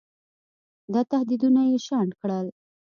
دا تهدیدونه یې شنډ کړل.